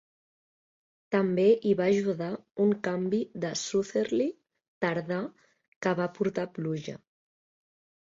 També hi va ajudar un canvi de Southerly tardà que va portar pluja.